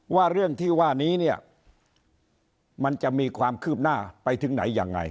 ว่าเรื่องที่ว่านี้เนี่ยมันจะมีความคืบหน้าไปถึงไหนยังไง